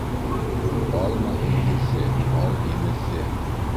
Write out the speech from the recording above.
Алма һигеҙҙе, ал һимеҙҙе.